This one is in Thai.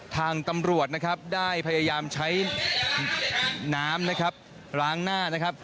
ทางตำรวจนะครับได้พยายามใช้น้ำนะครับล้างหน้านะครับ